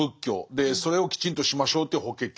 でそれをきちんとしましょうという「法華経」。